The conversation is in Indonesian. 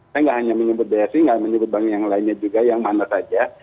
saya tidak hanya menyebut bsi tidak menyebut bank yang lainnya juga yang mana saja